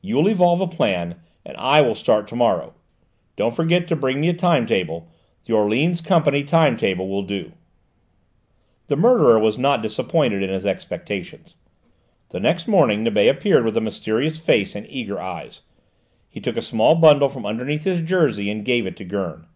"You will evolve a plan, and I will start to morrow. Don't forget to bring me a time table; the Orleans Company time table will do." The murderer was not disappointed in his expectations. The next morning Nibet appeared with a mysterious face and eager eyes. He took a small bundle from underneath his jersey and gave it to Gurn.